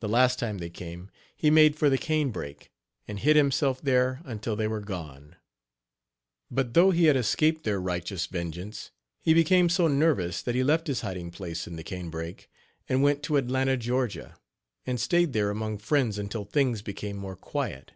The last time they came, he made for the canebrake, and hid himself there until they were gone. But though he had escaped their righteous vengeance, he became so nervous that he left his hiding place in the canebraker, and went to Atlanta, Ga., and staid there among friends until things became more quiet.